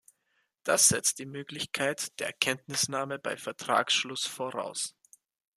Das setzt die Möglichkeit der Kenntnisnahme bei Vertragsschluss voraus.